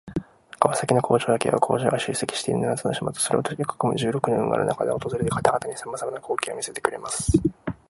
川崎の工場夜景は、工場が集積している七つの島とそれを取り囲む十六の運河の中で訪れる方々に様々な光景を見せてくれます。